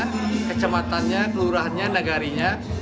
koordinatnya kecematannya kelurahannya negarinya